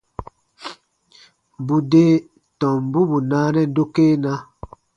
Bù de tombu bù naanɛ dokena.